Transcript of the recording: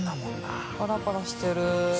淵▲張魁パラパラしてる。